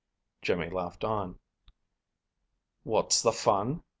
Jimmy laughed on. "What's the fun?"